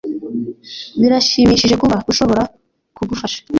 Biranshimishije kuba ushobora kugufasha.